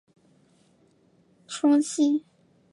长睾似泡双吸虫为囊双科似泡双吸虫属的动物。